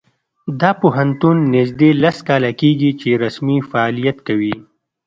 دا پوهنتون نږدې لس کاله کیږي چې رسمي فعالیت کوي